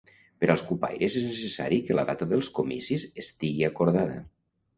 Per als cupaires és necessari que la data dels comicis estigui acordada.